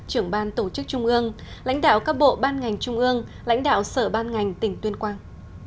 trưởng ban tổ chức trung ương lãnh đạo các bộ ban ngành trung ương lãnh đạo sở ban ngành tỉnh tuyên quang